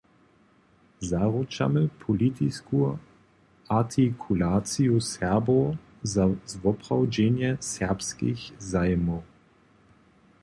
Zaručamy politisku artikulaciju Serbow za zwoprawdźenje serbskich zajimow.